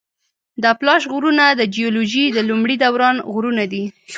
د اپلاش غرونه د جیولوجي د لومړي دوران غرونه دي.